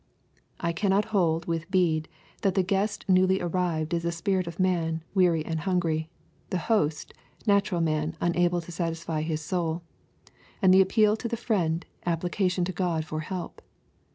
— I cannot hold, with Bede, that the guest newly airived is the spirit of man, weary and hungry, — the host, natural man un able to satisfy his soul, — and the appeal to the friend, application to God for help.